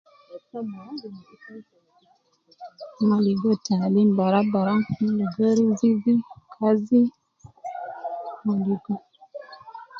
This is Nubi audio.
Mon ligo taalim baraa baraa, mon ligo rizigi kazi monhhgo